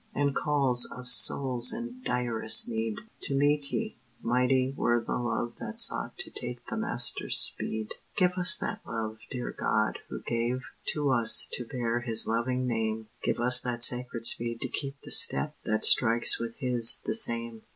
and calls Of souls in direst need! To meet ye, mighty were the love that sought To take the Master's speed. Give us that love, dear God, who gave to us To bear His loving name. Give us that sacred speed to keep the step That strikes with His the same.